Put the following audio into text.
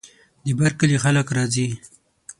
د بر کلي خلک راځي.